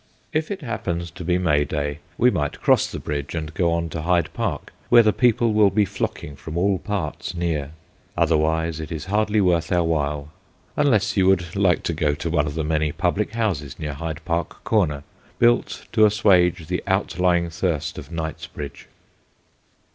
If it happens to be May Day we might cross the bridge and go on to Hyde Park, where the people will be flocking from all parts near. Otherwise it is hardly worth our while, unless you would like to go to one of the many public houses near Hyde Park Corner, built to assuage the outlying thirst of Knightsbridge.